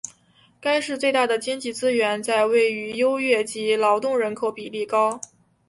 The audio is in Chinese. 该市最大的经济资源在于位置优越及劳动人口比例高。